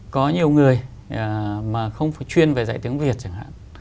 có nhiều người mà không chuyên về dạy tiếng việt chẳng hạn